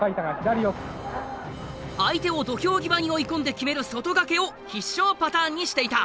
相手を土俵際に追い込んで決める外掛けを必勝パターンにしていた。